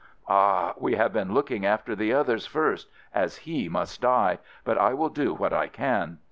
"Ah, we have been looking after the others first, as he must die, but I will do what I can."